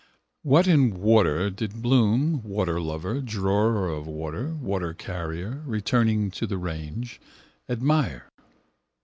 What in water did Bloom, waterlover, drawer of water, watercarrier, returning to the range, admire?